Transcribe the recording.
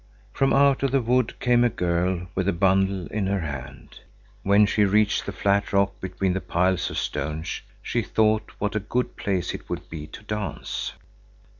From out of the wood came a girl with a bundle in her hand. When she reached the flat rock between the piles of stones, she thought what a good place it would be to dance.